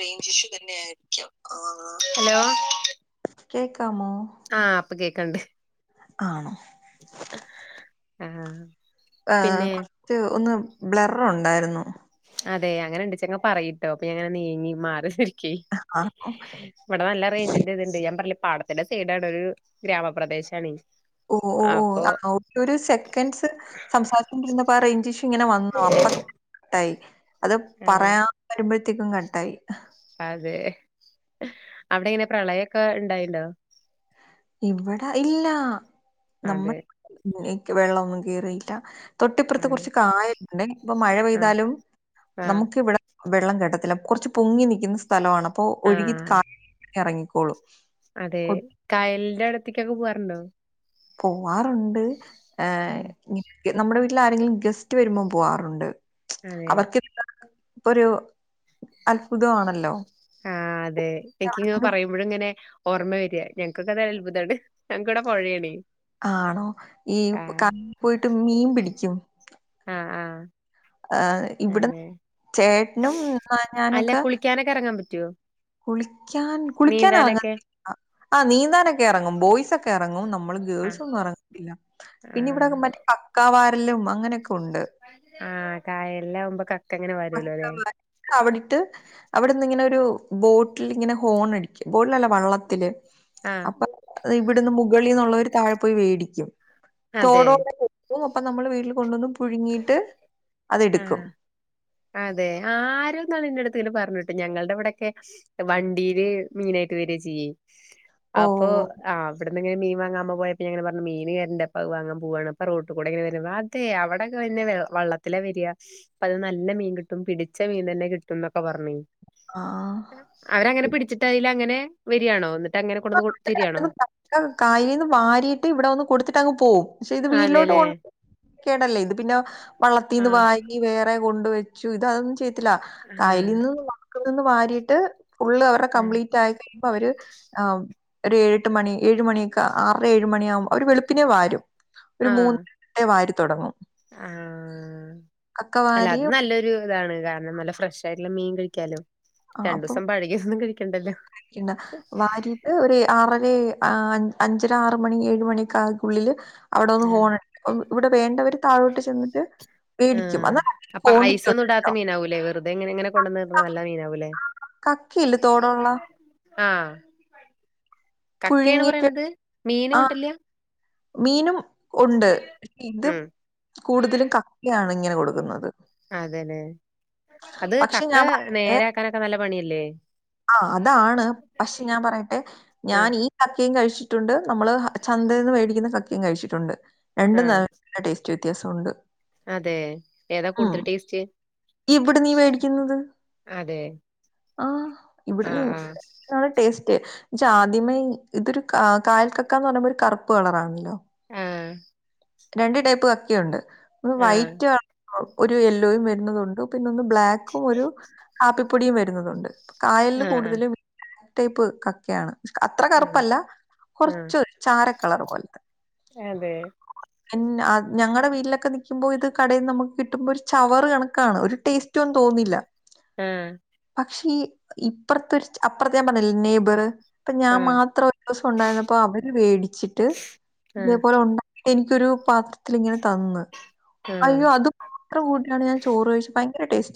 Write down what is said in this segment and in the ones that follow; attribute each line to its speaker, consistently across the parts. Speaker 1: Pine tissue തന്നെ ആരിക്കും ആ ഹലോ
Speaker 2: ചെക്ക്
Speaker 1: ആഹ് പ്പ് ഗെ കണ്ട്
Speaker 2: ആണോ
Speaker 1: ആഹ്
Speaker 2: ആഹ് കുറച്ച് ഒന്ന് ബ്ലറർ ഉണ്ടായിരുന്നു
Speaker 1: അതേ അങ്ങനെ ഉണ്ടേച്ചാൽ പറയീ ട്ടോ അപ്പോ ഇങ്ങനെ നീങ്ങി മാർ
Speaker 2: ആണോ
Speaker 1: ഇവിടെ നല്ല റേഞ്ചിന്റെ ഇത്ണ്ട് ഞാൻ പറഞി പാടത്തിന്റെ സൈടാണ് ഒരു ഗ്രാമപ്രദേശാ-
Speaker 2: ഓ ഓ ഓ ആ ഒരു ഒരു സെക്കൻഡ്സ് സംസാരിച്ചോണ്ടിരുന്നപ്പോ റേഞ്ച ഇഷു ഇങ്ങനെ വന്നോ അപ്പ കട്ടായി അത്
Speaker 1: അതെ
Speaker 2: പറയാൻ വരുമ്പോഴതി എത്തിക്കും കട്ടായി
Speaker 1: അതെ അവിടെ എങ്ങനെ പ്രളയൊക്കെ ഉണ്ടായിണ്ടോ
Speaker 2: ഇവിടെ ഇല്ലാ നമ്മൾ
Speaker 1: അതെ
Speaker 2: വെള്ളമൊന്നും കേറിയില്ല
Speaker 1: ആ
Speaker 2: തൊട്ടിപ്പുറത്ത് കുറച്ച് കായലുണ്ട് ഇപ്പൊ മഴ
Speaker 1: ആ
Speaker 2: പെയ്താലും
Speaker 1: ആ
Speaker 2: നമുക്ക് ഇവിടെ വെള്ളം കട്ടതില്ല കുറച്ച് പൊങ്ങി നൽിക്കുന്ന സ്ഥലമാണ് അപ്പൊ ഒഴുകികാ എറങ്ങിക്കോളൂ
Speaker 1: അതേ കായൽ ഇവിടെടത്തേക്കൊക്കെ പോവാറുണ്ടോ
Speaker 2: പോവും പോവാറുണ്ട് ആ
Speaker 1: ഉം,
Speaker 2: നമ്മുടെ- ട്ടിലാരെങ്കിലും ഗസ്റ്റ് വരുമ്പോ പോവാറുണ്ട് [inaudible]
Speaker 1: അതെ
Speaker 2: അവർക്ക് [unintelligible] ഇപ്പൊ ഒരു അത്ഭുത ആണല്ലോ
Speaker 1: ആ അതെ എനിക്കിങ്ങെ പറയുമ്പോഴ ഇങ്ങനെ ഓർമ്മ വര ഞങ്ങൾക്ക അത അത്ഭുതമാണ് ഞങ്ങക്കിവിടെ പൊഴയാണേ
Speaker 2: ആണോ ഈ
Speaker 1: ആഹ്
Speaker 2: കാ പോയിട്ട- [unintelligible] മീൻ പിടിക്കും
Speaker 1: ആ ആ
Speaker 2: ആർ ഇവിടെ
Speaker 1: അല്ല
Speaker 2: ചേട്ടനുംഞ്ഞഞാനൊക്കെ
Speaker 1: കുളിക്കാനൊക്കെ [inaudible]
Speaker 2: കുളിക്കാൻ കുളിക്കാന
Speaker 1: നീന്താനൊക്കെ
Speaker 2: ഇറങ്ങാതില്ല ആ നീന്താനൊക്കെ ഇറങ്ങും ബോയ്സ് ഒക്കെ ഇറങ്ങും നമ്മള്
Speaker 1: ആഹ്
Speaker 2: ഗേൾസൊന്നും ഇറങ്ങതില്ല പിന്നെ ഇവിടെക്കെ മറ്റേ കക്ക വാ രലും അങ്ങനൊക്കെ- [unintelligible]
Speaker 1: ആഹ കായലിലാവുമ്പോൾ കക്ക ഇങ്ങനെ വരോലോ ലെ
Speaker 2: അത് അവിടുന്ന് ഇങ്ങനെ ഒരു ബോട്ടിലിങ്ങനെ ഹോണടിക്ക ബോട്ടിലല്ലേ വള്ളത്തില്
Speaker 1: ആഹ്
Speaker 2: അപ്പൊ ഇവിടുന്ന് വേളിന്നുള്ളവര് താഴെ പോയി വേടിക്കും
Speaker 1: അതെ
Speaker 2: തോടോ അപ്പൊ നമ്മള് വീട്ടിൽ കൊണ്ടുന്ന്
Speaker 1: ആ അതെ [unintelligible] പറഞ്ഞിട്ട് ഞങ്ങളുടെ ഇവിടോക്കെ വണ്ടീയില് മീനായിട്ട് വരിയ ചെയ്യേ
Speaker 2: ഓ
Speaker 1: അപ്പൊ ആ അവിടെന്ന്ങ്ങനെ വങ്ങാ [unintelligible] ഞാൻ എങ്ങനെ പറഞ്ഞ് മീന്ന് കരുണ്ട് ഇപ്പ വാങ്ങാ പോവാണ് അപ്പ റോട്ട് കൂടെങ്ങനെ [unintelligible] അതെ അവിടെ [unintelligible] വള്ളത്തില വരിക [unintelligible] [unintelligible] നല്ല മീൻ കിട്ടും പിടിച്ച മീൻ തന്നെ കിട്ടും എന്നൊക്കെ പറഞ്ഞ
Speaker 2: ആഹ്
Speaker 1: അവരങ്ങനെ പിടിച്ചിട്ട് ആയില്ലങ്ങന്നെ വരിയാണോ-
Speaker 2: പ്പ [unintelligible] കൈയീന്ന് വാരിട്ട് ഇവിട വന്ന് കൊടുത്തിട്ട് അങ്ങ് പോവും പക്ഷെ ഇത് വീട്ടിലോട്ട്
Speaker 1: അതെല്ലേ
Speaker 2: കൊണ്ട് കേറ്റില്ലേ ഇത് പിന്ന
Speaker 1: ആ
Speaker 2: വള്ളത്തിന്ന് വാങ്ങി വേറെ കൊണ്ട് വെച്ചു ഇത് അതൊന്നു ചെയ് തില്ല
Speaker 1: ആ
Speaker 2: കൈലിന്നും [unintelligible] നിന്ന് വാരിട്ട് ഫുള്ള് [unintelligible] കംപ്ലീറ്റായി കഴിയുമ്പോ അവര് ആ ഒരു ഏഴ് എട്ട് മണി ഏഴ് മണിക്ക ആറ് ഏഴ് മണിയാവുമ്പോ അവര് വെളുപ്പിനെ വരും ഒരു
Speaker 1: ആ ആ
Speaker 2: മൂന്ന് [unintelligible] തുടങ്ങും
Speaker 1: ആ
Speaker 2: കക്ക
Speaker 1: അല്ല
Speaker 2: വാരി
Speaker 1: അത് നല്ലൊരു ഇതാണ് കാരണം നല്ല ഫ്രഷ് ആയിട്ടുള്ള മീൻ കഴിക്കാലോ രണ്ട് ദിവസം പഴകിയാതോന്നും കഴി ക്കെണ്ടേല്ലോ [unintelligible]
Speaker 2: വാരിട്ട് ഒരു ആറരേ എ ആ അഞ്ചര ആറ മണി ഏഴു മണിയൊക്ക ആകുള്ളില്ല് അവിടൊന്നു
Speaker 1: ആഹ്
Speaker 2: ഹോൺ അടിക്കും ഇവിടെ വേണ്ടവര് താഴോട്ട് ചെന്നിട്ട് മേടിക്കും
Speaker 1: ആഹ്
Speaker 2: അന്നാ [unintelligible]
Speaker 1: അപ്പൊ
Speaker 2: കോണ്ടിറ്റി
Speaker 1: ഐസൊന്നും
Speaker 2: ഉണ്ട്
Speaker 1: ഇടാത്ത മീനാവൂലേ വെറുതെ ഇങ്ങനെ ഇങ്ങനെ കൊണ്ടന്നിടുന്ന നല്ല മീനാവൂലേ
Speaker 2: കക്കിയില്ലേ തോടുള്ള
Speaker 1: ആ കക്കയേണ്
Speaker 2: പുഴുങ്ങിയിട്ട്
Speaker 1: പറയണത് മീന
Speaker 2: ആ
Speaker 1: ഉണ്ടല്ലേ
Speaker 2: മീനും ഉണ്ട് ഇത്
Speaker 1: ഉം
Speaker 2: കൂടുതലും കക്കയാണ് ഇങ്ങനെ കൊടുക്കുന്നത്
Speaker 1: അതെല്ലേ
Speaker 2: പക്ഷെ ഞാൻ ഏ
Speaker 1: പണില്ലേ
Speaker 2: ആ അതാണ് പക്ഷെ ഞാൻ പറയട്ടെ ഞാൻ
Speaker 1: ആഹ്
Speaker 2: ഈ കക്കയും കഴിച്ച ച്ചിട്ടുണ്ട് നമ്മള് ചന്തേന്ന് വേടിക്കുന്ന കക്കയും കഴിച്ചിട്ടുണ്ട് രണ്ടും നല്ല ടേസ് റ്റ് വെത്യാസ ഉണ്ട്
Speaker 1: അതേ ഏതാ കൂട്തൽ ടേസ്റ്റ്
Speaker 2: ഇവ്ടെ നീ വേടിക്ക്ന്നത്
Speaker 1: അതെ
Speaker 2: ആ ഇവ്ട്ന്ന് നീ
Speaker 1: ആഹ് ആഹ്
Speaker 2: [unintelligible] ന്നാണ് ടേസ് റ്റ് ജാദ്യമേ ഇതൊരു കാ കായൽ കക്കാന്ന് പറിമ്പോ ഒര് കറ്പ്പ് കളറാണല്ലോ
Speaker 1: ആഹ്
Speaker 2: രണ്ട് ടൈപ്പ് കക്കിയുണ്ട്
Speaker 1: ആഹ്
Speaker 2: വൈറ്റാ ഒരു എല്ലോയും വര്ന്നതുണ്ടുക് പിന്നൊന്ന് ബ്ലാക്കും ഒരു ഹാപ്പി പ്പൊടിയും വര്ന്നതുണ്ട് കായൽൽ
Speaker 1: ആഹ് ആഹ്
Speaker 2: കൂട്തലും ടേപ്പ് കക്കയാണ് അത്ര
Speaker 1: അതെ
Speaker 2: കറുപ്പല്ല
Speaker 1: ആഹ്
Speaker 2: കൊറച്ച് ചാരക്കളർ പോല്ത്തെ
Speaker 1: അതെ
Speaker 2: പിന്നെ ഞങ്ങടെ വീട്ടിലൊക്കെ നിക്കുമ്പോൾ ഇത് കടെന്ന് നമുക്ക് കിട്ടുമ്പോ ഒരു ചവർ കണക്കാണ് ഒരു ടേസ്റ്റ് റ്റുംതോന്നില്ല
Speaker 1: ആഹ്
Speaker 2: പറ്റൊ ക്ഷീ ഇപ്പറത്തെ അപ്പുറത്തെ ഞാ പറഞ്ഞില്ല നെബർ അപ്പൊ ഞാൻ
Speaker 1: ആഹ്
Speaker 2: മാത്രം ഒരു ദിവസം ഉണ്ടായിരുന്നപ്പ അവര് മേടിച്ചിട്ട്
Speaker 1: ആഹ്
Speaker 2: ഇതേപോലെ ഉണ്ടാ- എനിക്കൊരു പാത്രത്തിലിങ്ങനെ തന്ന്
Speaker 1: ആഹ്
Speaker 2: അയ്യോ അത് ത്ര കൂടിയാണ് ഞാൻ ചോറ് കഴിച്ചേ ഭയ് ങ്കര ടേസ്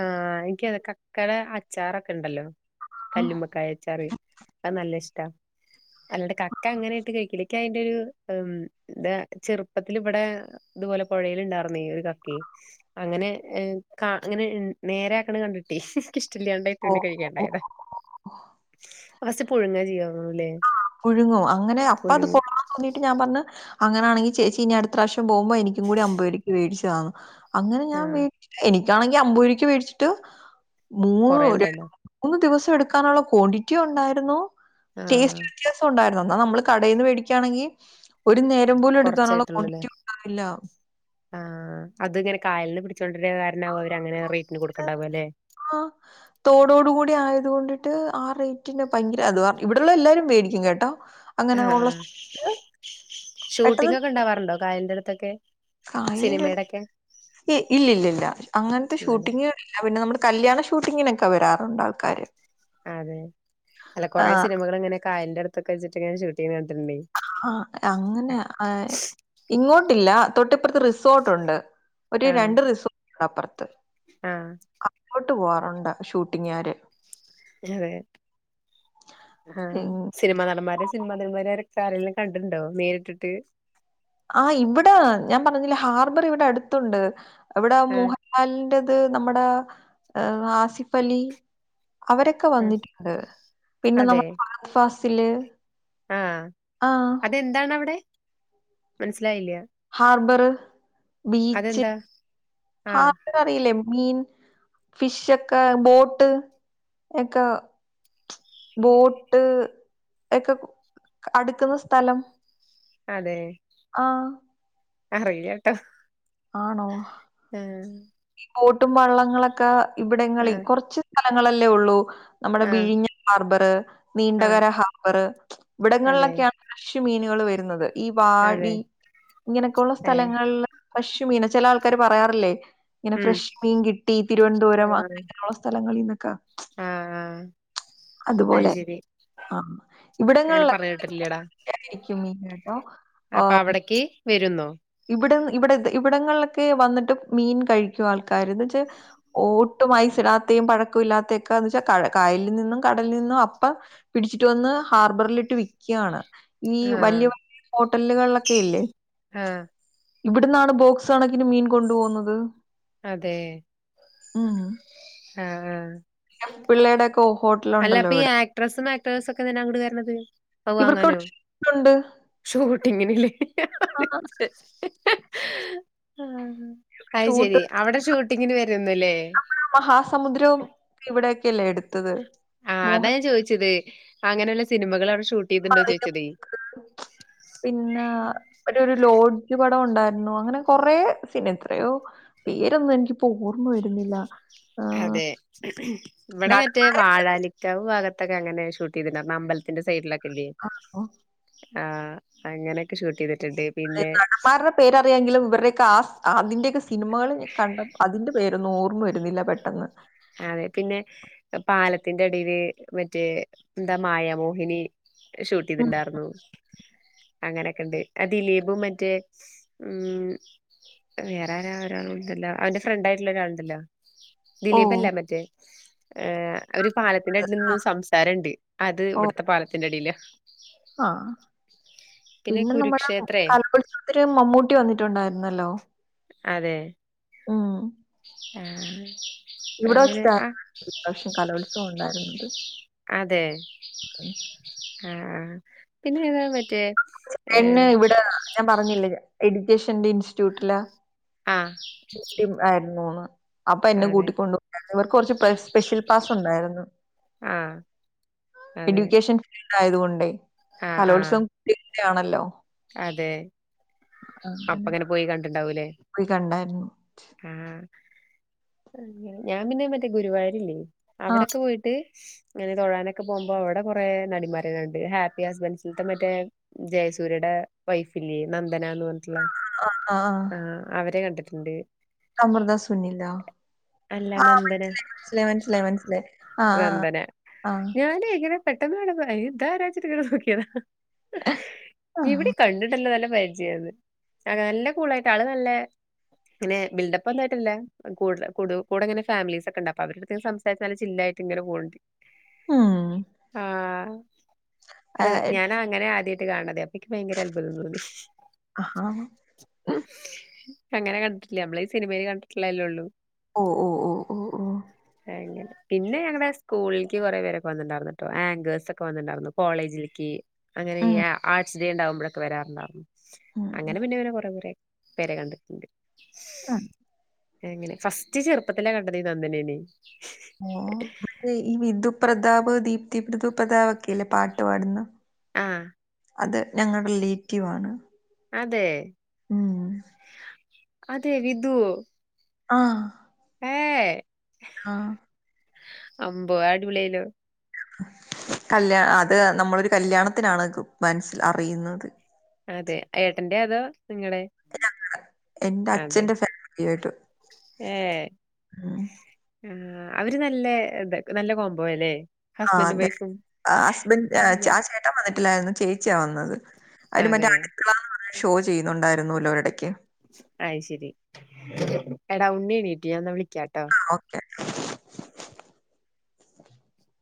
Speaker 1: ആ എനിക്കു അതെ കക്കടെ അ ചാറൊക്കെ ഉണ്ടല്ലോ.
Speaker 2: ആഹ്.
Speaker 1: കല്ലുമ്മക്കായ അച്ചാർ. അത് നല്ല ഇഷ് ട്ടാ... അല്ലാടെ കക്ക അങ്ങനെയായിട്ട് കഴിക്കു ലേ ക്കയിന്റെ ഒരു ദാ ചെറുപ്പത്തിൽ ഇവിടെ ഇതുപോലെ പുഴയിൽ ഉണ്ടായിർന്നേ ഒരു കക്കേ അങ്ങനെ കാ ങ്ങനെ നേരെ ആക്ണത് കണ്ടിട്ടേ ഇക്ക് ഇഷ്ടല്ലാണ്ടായി പിന്നെ
Speaker 2: ഓഹ് ഓഹ്.
Speaker 1: കഴിക്കണ്ടായതാ. ഫസ്റ്റ് പുഴുങ്ങാ ചെയ്യാ തോന്നുണൂ ലേ..
Speaker 2: ആഹ് പുഴുങ്ങും. അങ്ങനെ അപ്പ അത് കൊള്ളാം തോന്നീട്ട് ഞാൻ പറഞ്ഞ് അങ്ങനാണെങ്കിൽ ചേച്ചി ഇനി അടുത്ത പ്രാവശ്യം പോവുമ്പോ എനിക്കും കൂടി അമ്പത് രൂപക്ക് മേടിച്ച് താ ന്ന്. അങ്ങനെ ഞാൻ
Speaker 1: ആഹ്
Speaker 2: വീട്ട്ൽ എനി എനിക്കാണെങ്കിൽ അമ്പത് രൂപക്ക് വേടിച്ചിട്ട് മൂന്ന്
Speaker 1: കൊറേ
Speaker 2: ഒരു
Speaker 1: ഇണ്ടായിണ്ടാ
Speaker 2: മൂന്ന് ദിവസം എടുക്കാനുള്ള ക്വാണ്ടിറ്റി ഉണ്ടായിരുന്നു
Speaker 1: ആ
Speaker 2: ടേസ്റ്റ് വ്യത്യാസം ഉണ്ടായിരുന്നു എന്ന് നമ്മൾ കടയിൽ നിന്ന് മേടിക്കയാണെങ്കിൽ ഒരു നേര രം പോലും എടുക്കാനുള്ള ക്വാണ്ടിറ്റി ഉണ്ടാവില്ല
Speaker 1: ആഹ അത് ഇങ്ങനെ കായലിൽ പിടിച്ചോണ്ട് കാരണമാവും അവര് അങ്ങനെ റേ
Speaker 2: ആ തോടോട കൂടി ആയതുകൊണ്ട് ണ്ട് ആ റേറ്റിന് ഭയങ്കര അഥവാ ഇവിടെള്ള എല്ലാരും മേടിക്കും കേട്ടോ അങ്ങനെ ഉള്ള
Speaker 1: ആഹ
Speaker 2: സമയത്ത് പെട്ടെന്ന്
Speaker 1: ഷൂട്ടിംഗ് ഒക്കെ ഉണ്ടാവാറുണ്ടോ കായലിന്റെ അടുത്ത് ത്തക്കെ
Speaker 2: കായലിന്റെ അടുത്ത് ഇല്ലില്ല അങ്ങനത്തെ
Speaker 1: അതെ
Speaker 2: ഷൂട്ടിങ്ങകൾ ഇല്ല പിന്നെ നമ്മുടെ കല്യാണ ഷൂട്ടിങ്ങിനൊക്കെ വരാറുണ്ട് ആൾക്കാര്
Speaker 1: അതെ അല്ല കൊറേ
Speaker 2: ആഹ്
Speaker 1: സിനിമകൾ അങ്ങനെ ഒക്കെ കായലിന്റെ അടുത്തൊക്കെ വെച്ചിട്ട് ഇങ്ങനെ ഷൂട്ട് ചെയ്യുന്നത് ക
Speaker 2: ആ അങ്ങനെ ഇങ്ങോട്ട് ഇല്ല തൊട്ടിപ്പുറത്ത് റിസോർട്ട് ഉണ്ട് ഒരു രണ്ട് റിസോ അപ്പുറത്ത്
Speaker 1: ആഹ
Speaker 2: അങ്ങോട്ട് പോവാറുണ്ട് ഷൂട്ടിംങാകാര്
Speaker 1: അതെ ആഹ
Speaker 2: ഉം
Speaker 1: സിനിമ നടന്മാരെ സിനിമാ നടിന്മാരെ സാരല്ലാം കണ്ടിട്ടുണ്ടോ നേരിട്ടിട്ട്
Speaker 2: ആ ഇവിടെ ഞാൻ പറഞ്ഞില്ല ഹാർബർ ഇവിടെ അടുത്തണ്ട് അവിടെ
Speaker 1: ആഹ്
Speaker 2: മോഹൻലാലിന്റെ അത് നമ്മുടെ ആസിഫ് അലി അവരൊക്കെ
Speaker 1: ആഹ്
Speaker 2: വന്നിട്ടുണ്ട് പിന്നെ നമ്മ് ഫഹദ് ഫാസിൽ ചില്
Speaker 1: ആഹ അതെന്താണ് അവിടെ മനസിലായില്ല
Speaker 2: ഹാർബർ ബീച്ച് ആ
Speaker 1: ആഹ്
Speaker 2: ഹാർബർ അറിയില്ലേ മീൻ ഫിഷ് ഒക്കെ ബോട്ട് ഒക്കെ ബോട്ട് ഒക്കെ അടുക്കുന്ന സ്ഥലം
Speaker 1: അതെ
Speaker 2: ആ
Speaker 1: അറിയാ ട്ടോ
Speaker 2: ആണോ ബോട്ടും വള്ളങ്ങളൊക്കെ ഇവിടങ്ങളിൽ
Speaker 1: ആഹ്
Speaker 2: കൊറച്ച് സ്ഥലങ്ങളല്ലേ ഉള്ളൂ നമ്മുടെ
Speaker 1: ആഹ്
Speaker 2: വിഴിഞ്ഞ ഹാർബറ്
Speaker 1: ആഹ്
Speaker 2: നീണ്ടകര ഹാർബറ്
Speaker 1: അതെ
Speaker 2: ഇവിടങ്ങളിലൊക്കെയാണ് ഫ്രഷ് മീൻ ങ്ങള് വരുന്നത് ഈ
Speaker 1: അതെ
Speaker 2: വാടി ഇങ്ങനൊക്കെ ഉള്ള
Speaker 1: ഏഹ്
Speaker 2: സ്ഥലങ്ങളില് ഫ്രഷ് മീനാ ചേല ആൾക്കാര് പറയാറില്ലേ ഇങ്ങനെ
Speaker 1: ഉം
Speaker 2: ഫ്രഷ്മീൻ കിട്ടി തിരുവനന്തപുരം
Speaker 1: ആഹ്
Speaker 2: അങ്ങനെയുള്ള സ്ഥ ലങ്ങളിൽന്നൊക്ക
Speaker 1: ആഹ് അത്
Speaker 2: അതുപോലെ
Speaker 1: ശരി
Speaker 2: ആ
Speaker 1: അങ്ങനെ
Speaker 2: ഇവിടങ്ങളില്
Speaker 1: പറഞ്ഞ് കേട്ടിട്ടില്ലടാ
Speaker 2: [inaudible] ആയിരിക്കും മീനുട്ടോ ഓ
Speaker 1: അപ്പൊ അവിടേക്ക് വരുന്നോ
Speaker 2: ഇവിടെ ഇവിടെ ഇവിടങ്ങളിലൊക്കെ വന്നിട്ട് മീൻ കഴിക്കും ആൾക്കാര് എന്ന് വെച്ചാ ഓട്ടും ഐസ് ഇടാത്തെയും പഴക്കോ ഇല്ലാത്തെയൊക്കെ എന്ന് വെച്ചാൽ കായലിൽ നിന്നും കടലിൽ നിന്നും അപ്പം പിടിച്ചിട്ട് വന്ന് ഹാർബറിലിട്ട് വിക്കയാണ് ഈ വലിയ
Speaker 1: ആഹ്
Speaker 2: വലിയ ഹോ ട്ടലുകളൊക്കെ ഇല്ലേ
Speaker 1: ആ
Speaker 2: ഇവിടുന്നാണ് ബോക്സ് കണക്കിന് മീൻ കൊണ്ടു പോകുന്നത്
Speaker 1: അതെ ആ ആ
Speaker 2: പിള്ളേടെക്ക്
Speaker 1: അല്ല അപ്പ ഈ ആക്ട്രസ്സും ആക്ടേഴ്സും ഒക്കെ എന്തിനാ അങ്ങട് കേറണത്? അത് വാങ്ങനോ
Speaker 2: ഇവർക്കവിടെ ഷൂട്ടുണ്ട്.
Speaker 1: ഷൂട്ടിങ്ങിനില്ലേ?
Speaker 2: ആ
Speaker 1: ആ അയ്
Speaker 2: ഷൂട്ട്
Speaker 1: ശെരി. അവിടെ ഷൂട്ടിങ്ങിന് വരൂംന്നില്ലേ?
Speaker 2: ക്കയല്ലേ എടുത്തത്.
Speaker 1: ആ അതാ
Speaker 2: മോഹൻ
Speaker 1: ഞാൻ ചോദിച്ചത്. അങ്ങനെയുള്ള സിനിമകൾ അവടെ ഷൂ
Speaker 2: മറിയം മുക്ക് പിന്നെ ഒരു ഒരു ലോഡ്ജ് പടം ഉണ്ടായി രുന്നു. അങ്ങനെ കൊറേ സിനി [unintelligible] എത്രയോ പേരൊന്നും എനിക്കിപ്പോ ഓർമ്മ വരുന്നില്ല ആഹ്
Speaker 1: അതെ. ഇവിടെ മറ്റേ
Speaker 2: നടന്മാരാണോ
Speaker 1: വാഴാലിക്കാവ് ഭാഗ ത്ത്ക്കങ്ങനെയാ ഷൂട്ടെയ്തിരുന്നെ. അന്നമ്പലത്തിന്റെ സൈഡില് ക്കെയില്ലേ? ആ അങ്ങനെയൊക്കെ ഷൂട്ട് ചെയ്തി
Speaker 2: [unintelligible] നടന്മാരുടെ പേര് അറിയാങ്കിലും ഇവരുടെ ഒക്കെ ആസ് അതിന്റെയൊക്കെ സിനിമകള് കണ്ട അതിന്റെ പേ [unintelligible] ഓർമ വരുന്നില്ല പെട്ടെന്ന്
Speaker 1: അതെ. പിന്നെ പാലത്തിന്റെ അടിയില് മറ്റേ എന്താ മായമോഹിനി. ഷൂട്ട്
Speaker 2: ഉം.
Speaker 1: ചെയ്തിണ്ടാർന്നു. അങ്ങനെക്കെ ഉണ്ട് ആ ദിലീപും മറ്റേ മ്ഹ് വേറാരാ ഒരാളുണ്ടല്ലോ അവൻ്റെ ഫ്രണ്ടായിട്ടുള്ള ഒരാളുണ്ടല്ലോ
Speaker 2: ഓ
Speaker 1: [unintelligible] ഏഹ് ഒരു പാലത്തിന്റെ
Speaker 2: അത്.
Speaker 1: അടീല് നിന്ന് സംസാരം ഇണ്ട്. അത്
Speaker 2: ഓ
Speaker 1: ഇവിടുത്തെ പാലത്തിന്റെ അടിയില
Speaker 2: ആ പിന്നെ നമ്മടെ മുക്കാൽ [unintelligible] മമ്മൂട്ടി [unintelligible] റ്റുണ്ടായിരുന്നല്ലോ.
Speaker 1: അതെ ആഹ് ഇപ്പൊ
Speaker 2: ഇവിടെ
Speaker 1: അങ്ങനെ ആഹ്
Speaker 2: വെച്ചിട്ടായിരുന്നു ഇപ്രാവിശ്യം കലോത്സവം ഉണ്ടായിരുന്നത്.
Speaker 1: അതെ ആഹ് പിന്നെ ഏതാ [unintelligible]
Speaker 2: [unintelligible]
Speaker 1: ഏഹ്
Speaker 2: ഇവിടെ ഞാൻ പറഞ്ഞില്ലേ എടീ ജിഷൻ്റെ ഇൻസ്റ്റിറ്റ്യൂട്ടിലാ
Speaker 1: ആഹ്
Speaker 2: ഡൂട്ടി ആയിരുന്നൂ ന്ന് അപ്പൊ എന്നെ
Speaker 1: അതെ
Speaker 2: കൂട്ടിക്കൊണ്ട് [unintelligible] ഇവർക്ക് കുറച്ച് പേസ് സ്പെഷ്യൽ ക്ലാസ്സ് ഉണ്ടായിരുന്നു.
Speaker 1: ആഹ് അതെ
Speaker 2: എഡ്യൂക്കേഷൻ ആയതുകൊണ്ടേ
Speaker 1: ആഹ് ആഹ്
Speaker 2: [unintelligible] ആണല്ലോ
Speaker 1: അതെ
Speaker 2: അങ്ങനെ
Speaker 1: അപ്പങ്ങനെ പോയി കൺ
Speaker 2: പോയി കണ്ടായിരുന്നു.
Speaker 1: ആഹ് ഞാൻ പിന്നെ മറ്റേ ഗുരുവായൂരില്ലേ
Speaker 2: ആ
Speaker 1: അവിടെ ഒക്കെ പോയിട്ട്. അങ്ങനെ തൊഴാനൊക്കെ പോകുമ്പോ അവിടെ കൊറെ നടിമാരെ കണ്ട്, ഹാപ്പി ഹുസ്ബൻഡ്സിന്റെ മറ്റേ ജയസൂര്യയുടെ വൈഫ്‌ ഇല്ലേ. ധന എന്ന് പറഞ്ഞിട്ട് ഉള്ള
Speaker 2: ആ
Speaker 1: ആഹ് അവരെ കണ്ടു. ഉണ്ട്
Speaker 2: സമൃത സുനിലോ,
Speaker 1: അല്ല
Speaker 2: ആഹ്
Speaker 1: നന്ദന
Speaker 2: മനസിലായി മനസിലായി മനസിലായി മനസിലായി ആഹ്
Speaker 1: നന്ദന
Speaker 2: ആഹ് ആഹ്.
Speaker 1: ഞാന് ഇങ്ങനെ പെട്ടെന്ന് വേണേൽ പറയാം, ഇതാരാ ചെറുക്കനെ നോക്കിയതാ.
Speaker 2: ആ
Speaker 1: എവിടെയോ കണ്ടിട്ടില്ലല്ലോ? ബജി അത്, നല്ല കൂൾ ആയിട്ട് ആള് നല്ല. പിന്നെ ബിൽഡപ്പ് ഒന്നായിട്ടിയല്ല കൂടുതൽ കൂടെ കൂടെ ഇങ്ങനെ ഫാമിലീസ് ഒക്കെ ഉണ്ട്, അപ്പൊ അവരുടെ എടുത്ത് സംസാരിച്ച് അങ്ങനെ ചില്ലായിട്ട് ഇങ്ങനെ പോവുണ്ട്,
Speaker 2: ഉം
Speaker 1: ആഹ്.
Speaker 2: ഏ,
Speaker 1: അല്ല ഞാൻ അങ്ങനെ ആദ്യം ആയിട്ട്. കാണത്തെ എനിക്ക് ഭയങ്കര അത്ഭുതം തോന്നി
Speaker 2: ആഹാ
Speaker 1: അങ്ങനെ കണ്ട് ഇല്ല നമ്മള് ഈ സിനിമയിൽ കണ്ടിട്ടില്ലേയെള്ളു
Speaker 2: ഓ ഓ ഓ ഓ ഓ
Speaker 1: അങ്ങനെ പിന്നെ ഞങ്ങടെ സ്കൂളിലേക്ക് കുറെപേരൊക്കെ വന്നിട്ടുണ്ടാരുന്നു കേട്ടോ ആങ്കേഴ്സ് ഒക്കെ വന്നിട്ടു ണ്ടായിരുന്നു കോളേജിലേക്ക് അങ്ങനെ ഈ
Speaker 2: ഉം
Speaker 1: ആർട്സ് ഡേ ഉണ്ടാവുമ്പോഴൊക്കെ വരാറുണ്ട്
Speaker 2: ഉം
Speaker 1: അങ്ങനെ പിന്നെയൊരു കുറെ കുറെ പേരെ കണ്ടിട്ടുണ്ട്
Speaker 2: ആ
Speaker 1: എങ്ങനെ ഫസ്റ്റ് ചെറുപ്പത്തിലാ കണ്ടത് നന്ദനേനെ
Speaker 2: ഓ അതെ ഈ വിധു പ്രതാപ് ഇപ്പൊ ദീപ്തിവിധു പ്രതാപ് ഒക്കെല്ലേ പാട്ട് പാടുന്ന
Speaker 1: ആ
Speaker 2: അത് ഞങ്ങളുടെ റിലേറ്റീവ് ആണ്.
Speaker 1: അതെ
Speaker 2: ഉം
Speaker 1: അതെ വിധു
Speaker 2: ആ
Speaker 1: ഏ
Speaker 2: ആ
Speaker 1: അമ്പോ അടിപൊളിയായല്ലോ
Speaker 2: കല്യാ അത് നമ്മളൊരു കല്യാണത്തിനാണ് മനസിൽ അറിയുന്നത്.
Speaker 1: അതെ ഏട്ടന്റെ അതോ നിങ്ങളെ
Speaker 2: എന്റെ
Speaker 1: അതെ
Speaker 2: അച്ഛന്റെ ഫാമിലി ആയിട്ട്
Speaker 1: ഏ
Speaker 2: ഉം
Speaker 1: ആ അവര് നല്ല നല്ല കോമ്പോ അല്ലേ
Speaker 2: ആ അതെ ഹസ്ബൻഡ് ആ ചേട്ടൻ വന്നിട്ടി ല്ലായിരുന്നു ചേച്ചിയാ വന്നത് അവര് മറ്റേ
Speaker 1: അതെ
Speaker 2: അടുക്കളാന്നു പറ ഷോ ചെയ്യുന്നുണ്ടായിരുന്നുല്ലോ ഒരിടയ്ക്ക്
Speaker 1: അതു ശരി എടാ ഉണ്ണി എണീട്ട് ഞാൻ എന്നാ വിളി ക്കാട്ടോ
Speaker 2: [unintelligible]